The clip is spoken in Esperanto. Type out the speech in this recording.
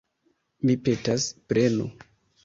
Mi petas, prenu!